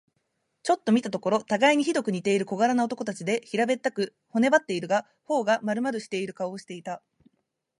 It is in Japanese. ちょっと見たところ、たがいにひどく似ている小柄な男たちで、平べったく、骨ばってはいるが、頬がまるまるしている顔をしていた。